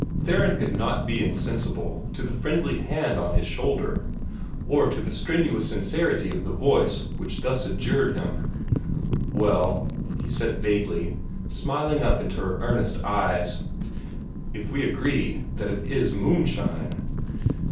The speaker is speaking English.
Theron could not be insensible to the friendly hand on his shoulder, or to the strenuous sincerity of the voice which thus adjured him. "Well," he said vaguely, smiling up into her earnest eyes, "if we agree that it IS moonshine."